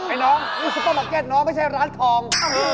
น้องนี่ซุปเปอร์มาร์เก็ตน้องไม่ใช่ร้านทอง